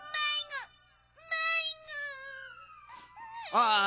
ああ。